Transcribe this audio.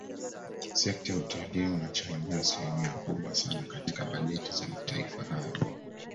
Sekta ya utalii inachangia asilimia kubwa sana katika bajeti za mataifa hayo